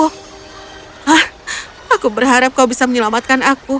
hah aku berharap kau bisa menyelamatkan aku